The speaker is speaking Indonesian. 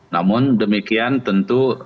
namun demikian tentu